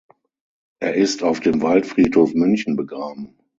Er ist auf dem Waldfriedhof München begraben.